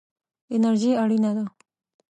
انرژي اړینه ده.